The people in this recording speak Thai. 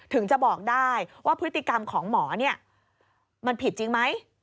ถึงจะบอกได้ว่าพฤติกรรมของหมอเนี่ยมันผิดจริงไหม